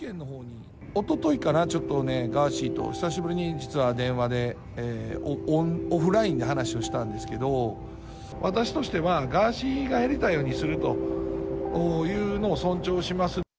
おとといかな、ちょっとガーシーと久しぶりに実は電話で、オフラインで話をしたんですけど、私としては、ガーシーがやりたいようにするというのを尊重します。